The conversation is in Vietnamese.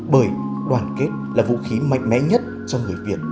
bởi đoàn kết là vũ khí mạnh mẽ nhất cho người việt